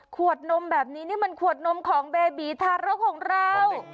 ขวดนมแบบนี้นี่มันขวดนมของเบบีทารกของเรา